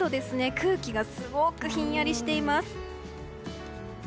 空気がすごくひんやりしています。